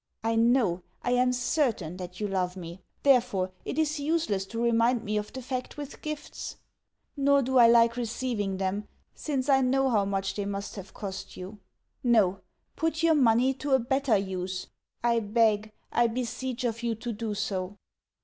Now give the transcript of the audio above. I know, I am CERTAIN, that you love me therefore, it is useless to remind me of the fact with gifts. Nor do I like receiving them, since I know how much they must have cost you. No put your money to a better use. I beg, I beseech of you, to do so.